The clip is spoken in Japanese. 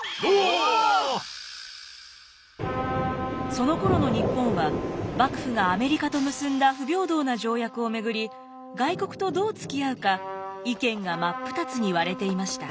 そのころの日本は幕府がアメリカと結んだ不平等な条約をめぐり外国とどうつきあうか意見が真っ二つに割れていました。